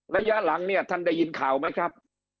ระยะหลังเนี่ยท่านได้ยินข่าวไหมครับ